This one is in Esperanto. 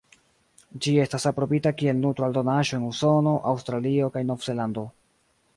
Ĝi estas aprobita kiel nutro-aldonaĵo en Usono, Aŭstralio kaj Nov-Zelando.